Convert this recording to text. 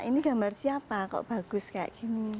ini gambar siapa kok bagus kayak gini